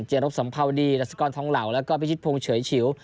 รบสัมภาวดีดัชกรทองเหล่าแล้วก็พิชิตพงศ์เฉยฉิว